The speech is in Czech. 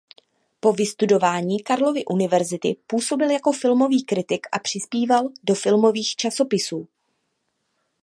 Po vystudování Karlovy univerzity působil jako filmový kritik a přispíval do filmových časopisů.